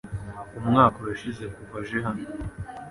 Umwaka urashize kuva aje hano.